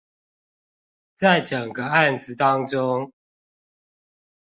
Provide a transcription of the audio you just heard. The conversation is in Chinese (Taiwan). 在整個案子當中